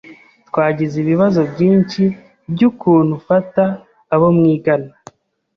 Twagize ibibazo byinshi byukuntu ufata abo mwigana.